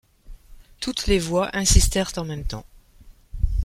Toutes les voix insistèrent en même temps.